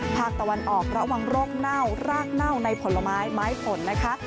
ภาคตะวันออกระวังโรคเน่ารากเน่าในผลไม้ไม้ฝนนะคะ